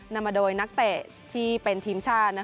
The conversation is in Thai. นำมาโดยนักเตะที่เป็นทีมชาติ